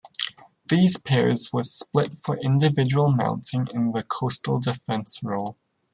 These pairs were split for individual mounting in the coastal defence role.